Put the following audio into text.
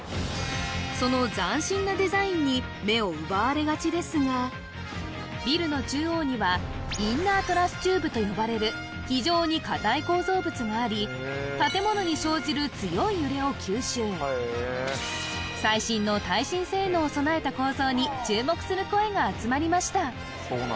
そのに目を奪われがちですがビルの中央にはインナートラスチューブと呼ばれる非常にがあり建物に生じる最新の耐震性能を備えた構造に注目する声が集まりました